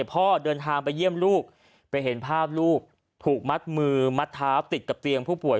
พ่อเดินทางไปเยี่ยมลูกไปเห็นภาพลูกถูกมัดมือมัดเท้าติดกับเตียงผู้ป่วย